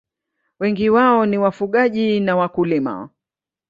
Wengi wao ni wafugaji na wakulima.